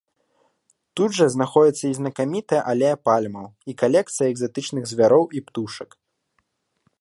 Тут жа знаходзіцца і знакамітая алея пальмаў, і калекцыя экзатычных звяроў і птушак.